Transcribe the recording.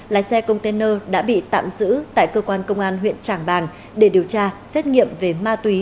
lái xe container đã bị tạm giữ tại cơ quan công an huyện trảng bàng để điều tra xét nghiệm về ma túy